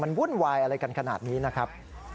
มันวุ่นวายอะไรกันขนาดนี้นะครับ